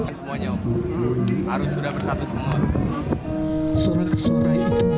semuanya om harus sudah bersatu semua